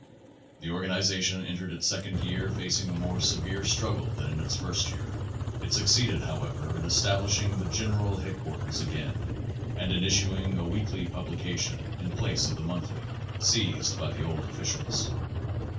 The organization entered its second year facing a more severe struggle than in its first year. It suc ceeded, however, in establishing the general headquar ters again, and in issuing a weekly publication in place of the monthly, seized by the old officials.